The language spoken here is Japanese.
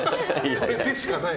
それでしかない。